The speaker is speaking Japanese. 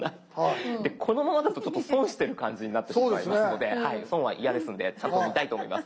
このままだとちょっと損してる感じになってしまいますので損は嫌ですのでちゃんと見たいと思います。